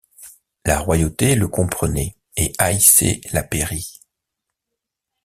La royauté le comprenait et haïssait la pairie.